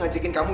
oke ya aku tau